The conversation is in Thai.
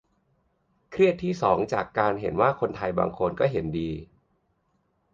เครียดที่สองจากการที่เห็นว่าคนไทยบางคนก็เห็นดี